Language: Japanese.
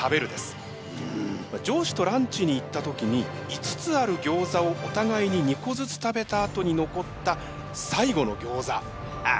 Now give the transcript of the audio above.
上司とランチに行った時に５つあるギョーザをお互いに２個ずつ食べたあとに残った最後のギョーザ。